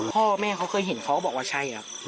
พ่อแม่เค้าเคยเห็นเขาบอกว่าใช่